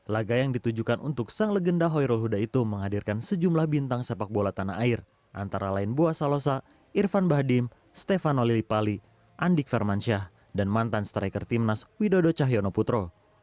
laga yang ditujukan untuk sang legenda hoyrul huda itu menghadirkan sejumlah bintang sepak bola tanah air antara lain bua salosa irfan bahadim stefano lillipali andik vermansyah dan mantan striker timnas widodo cahyono putro